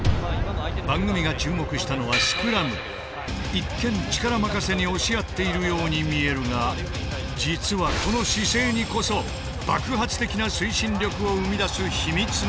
一見力任せに押し合っているように見えるが実はこの姿勢にこそ爆発的な推進力を生み出す秘密がある。